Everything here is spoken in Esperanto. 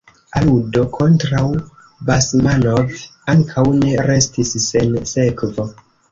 Aludo kontraŭ Basmanov ankaŭ ne restis sen sekvo.